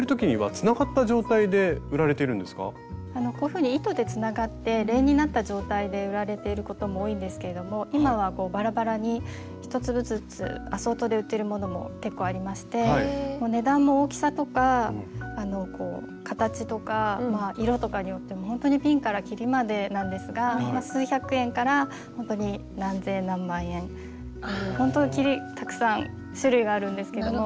こういうふうに糸でつながって連になった状態で売られてることも多いんですけど今はバラバラに１粒ずつアソートで売ってるものも結構ありまして値段も大きさとか形とか色とかによってもほんとにピンからキリまでなんですが数百円からほんとに何千何万円というほんとキリたくさん種類があるんですけども。